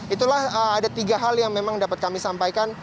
itulah ada tiga hal yang memang dapat kami sampaikan